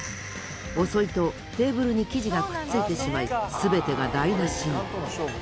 遅いとテーブルに生地がくっついてしまい全てが台なしに。